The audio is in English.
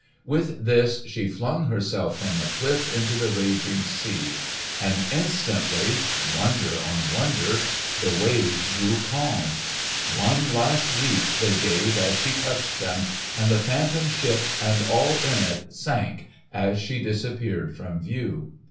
With this she flung herself from the cliff into the raging sea. And instantly—wonder on wonder!—the waves grew calm. One last leap they gave as she touched them, and the Phantom Ship and all in it sank as she disappeared from view.